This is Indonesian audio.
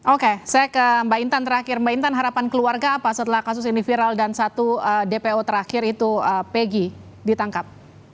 oke saya ke mbak intan terakhir mbak intan harapan keluarga apa setelah kasus ini viral dan satu dpo terakhir itu peggy ditangkap